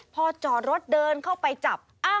พอจอดรถเดินเข้าไปจับ